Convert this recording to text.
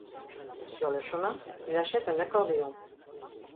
Sur le chemin, il achète un accordéon.